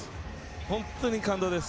本当に感動です！